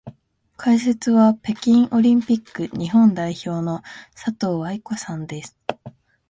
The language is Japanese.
解説は北京オリンピック日本代表の佐藤愛子さんです。